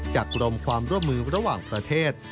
กรมความร่วมมือระหว่างประเทศ